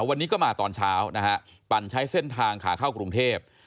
วันนี้ก็มาตอนเช้านะฮะปั่นใช้เส้นทางขาเข้ากรุงเทพ